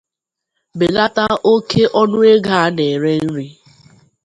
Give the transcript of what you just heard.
belata oke ọnụego a na-ere nri